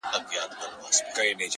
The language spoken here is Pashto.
• زما ځوانمرگ وماته وايي؛